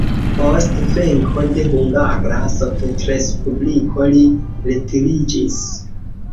Post venko de Hungara Sovetrespubliko li retiriĝis.